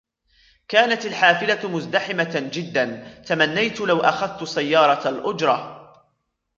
كانت الحافلة مزدحمة جداً. تمنيت لو اخذت سيارة الأجرة.